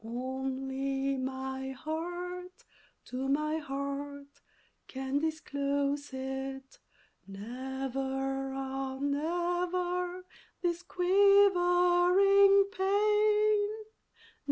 Only my heart to my heart can disclose it Never, ah! never this quivering pain!